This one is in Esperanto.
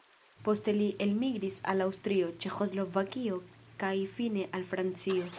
Poste li elmigris al Aŭstrio, Ĉeĥoslovakio kaj fine al Francio.